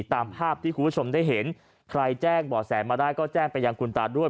ตามภาพที่คุณผู้ชมได้เห็นใครแจ้งบ่อแสมาได้ก็แจ้งไปยังคุณตาด้วย